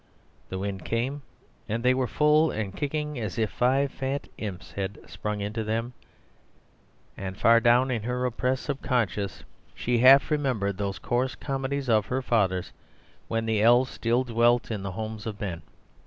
The wind came, and they were full and kicking as if five fat imps had sprung into them; and far down in her oppressed subconscious she half remembered those coarse comedies of her fathers when the elves still dwelt in the homes of men.